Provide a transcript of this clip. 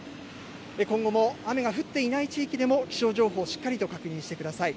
今後も雨が降っていない地域でも、気象情報、しっかりと確認してください。